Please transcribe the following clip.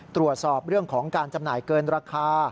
ตรวจสอบเรื่องของการจำหน่ายเกินราคา